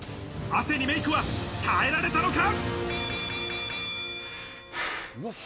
汗にメイクは耐えられたのか？